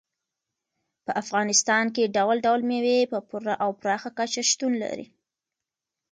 په افغانستان کې ډول ډول مېوې په پوره او پراخه کچه شتون لري.